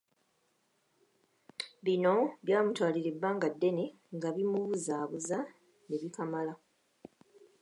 Bino byamutwalira ebbanga ddene nga bimubuzaabuza ne bikamala.